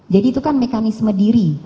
jadi itu kan mekanisme diri